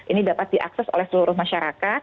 ini dapat diakses oleh seluruh masyarakat